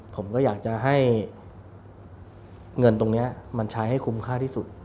ผมก็อยากจะให้เงินตรงนี้มันใช้ให้คุ้มค่าที่สุด